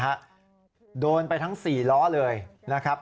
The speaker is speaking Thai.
รถของทั้ง๔ล้อเลยนะครับ